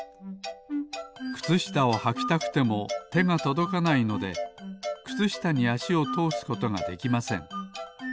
くつしたをはきたくてもてがとどかないのでくつしたにあしをとおすことができません。